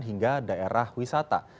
hingga daerah wisata